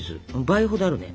倍ほどあるね。